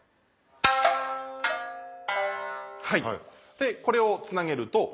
でこれをつなげると。